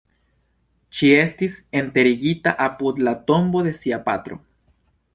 Ŝi estis enterigita apud la tombo de sia patro.